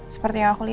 seperti yang aku liat